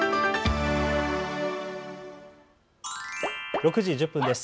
６時１０分です。